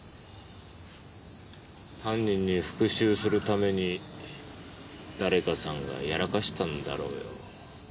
犯人に復讐するために誰かさんがやらかしたんだろうよ。